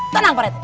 tenang pak reten